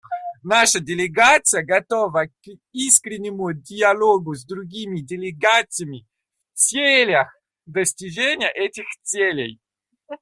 Наша делегация готова к искреннему диалогу с другими делегациями в целях достижения этих целей.